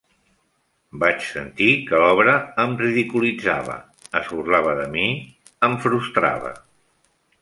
Vaig sentir que l'obra em ridiculitzava, es burlava de mi, em frustrava.